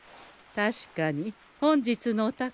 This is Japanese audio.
確かに本日のお宝